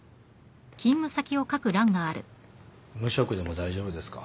無職でも大丈夫ですか？